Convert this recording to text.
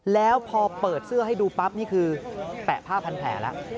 แล้วพอเปิดเสื้อให้ดูปั๊บนี่คือแปะผ้าพันแผลแล้ว